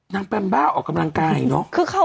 น้องแบมบ๊าออกกำลังกายเนาะ